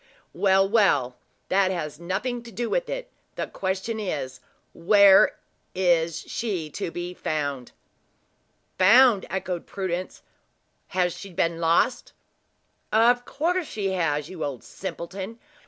"Well, well; that has nothing to do with it. The question is, where is she to be found?" "Found!" echoed Prudence; "has she then been lost?" "Of coarse she has, you old simpleton!